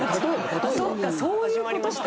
そっかそういうことか。